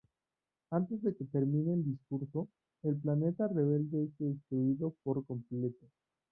Antes de que termine el discurso, el planeta rebelde es destruido por completo.